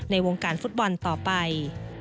ในวงการฟุตบอลต่อไป